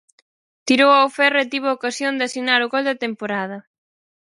Tirou ao ferro e tivo a ocasión de asinar o gol da temporada.